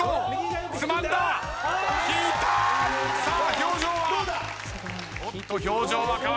さあ表情は？